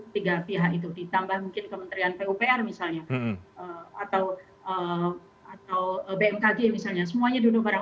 tiga pihak itu ditambah mungkin kementerian pupr misalnya atau atau bmkg misalnya semuanya duduk bareng